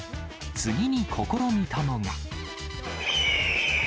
次に試みたのが。